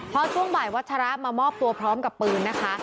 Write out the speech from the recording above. พอช่วงบ่ายวัชระมามอบตัวพร้อมกับปืนนะคะ